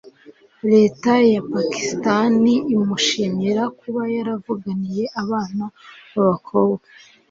leta ya pakistani imushimira kuba yaravuganiye abana b'abakobwa